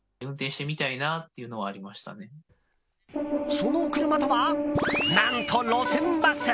その車とは何と路線バス。